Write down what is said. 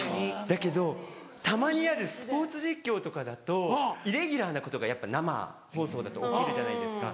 だけどたまにあるスポーツ実況とかだとイレギュラーなことがやっぱ生放送だと起きるじゃないですか。